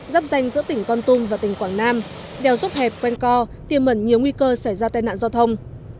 dắp danh giữa tỉnh con tum và tỉnh quảng nam đèo rút hẹp quen co tiềm mẩn nhiều nguy cơ xảy ra tai nạn giao thông